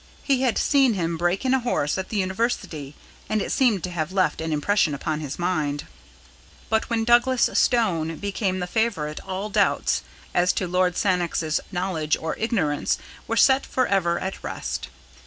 He had seen him break in a horse at the University, and it seemed to have left an impression upon his mind. But when Douglas Stone became the favourite all doubts as to Lord Sannox's knowledge or ignorance were set for ever at rest.